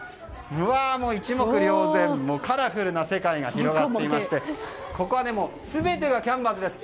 一目瞭然、カラフルな世界が広がっていましてここは、全てがキャンバスです。